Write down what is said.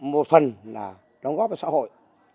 một phần là đóng góp cho xã hội